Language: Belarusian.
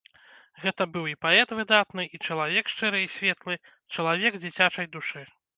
Гэта быў і паэт выдатны, і чалавек шчыры і светлы, чалавек дзіцячай душы.